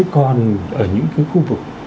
còn ở những cái khu vực